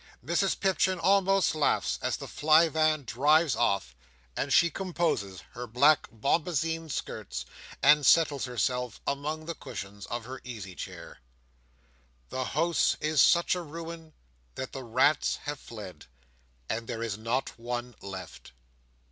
Mrs Pipchin almost laughs as the fly van drives off, and she composes her black bombazeen skirts, and settles herself among the cushions of her easy chair. The house is such a ruin that the rats have fled, and there is not one left.